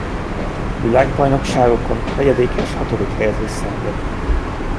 Világbajnokságokon negyedik és hatodik helyezést szerzett.